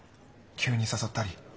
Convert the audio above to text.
急に誘ったり。